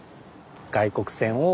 外国船を。